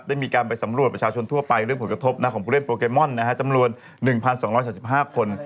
ได้มีการไปสำรวจประชาชนทั่วไปเรื่องผลกระทบของผู้เล่นโปเกมอนจำนวน๑๒๓๕คน